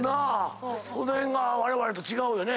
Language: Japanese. この辺がわれわれと違うよね。